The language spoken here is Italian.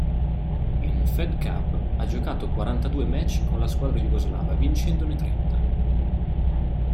In Fed Cup ha giocato quarantadue match con la squadra jugoslava vincendone trenta.